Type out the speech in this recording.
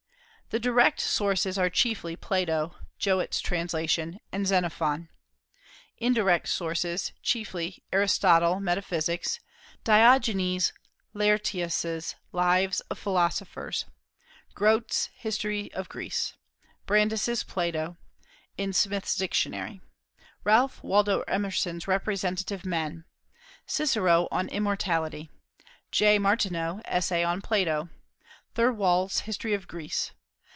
The direct sources are chiefly Plato (Jowett's translation) and Xenophon. Indirect sources: chiefly Aristotle, Metaphysics; Diogenes Laertius's Lives of Philosophers; Grote's History of Greece; Brandis's Plato, in Smith's Dictionary; Ralph Waldo Emerson's Representative Men; Cicero on Immortality; J. Martineau, Essay on Plato; Thirlwall's History of Greece.